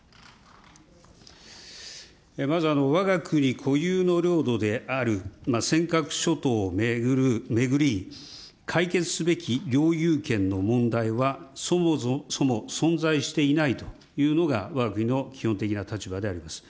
まず、わが国固有の領土である尖閣諸島を巡り、解決すべき領有権の問題は、そもそも存在していないというのがわが国の基本的な立場であります。